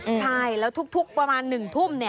ใช่แล้วทุกประมาณ๑ทุ่ม